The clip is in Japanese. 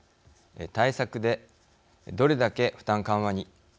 対策でどれだけ負担緩和に。